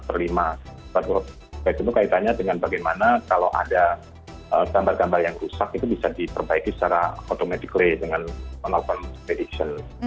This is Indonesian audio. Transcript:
empat per lima itu kaitannya dengan bagaimana kalau ada gambar gambar yang rusak itu bisa diperbaiki secara automatically dengan mengalami prediction